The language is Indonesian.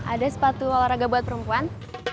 ada sepatu olahraga buat perempuan